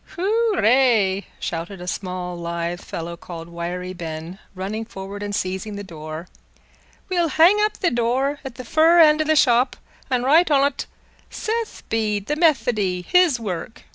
"Hoorray!" shouted a small lithe fellow called Wiry Ben, running forward and seizing the door. "We'll hang up th' door at fur end o' th' shop an' write on't 'Seth Bede, the Methody, his work.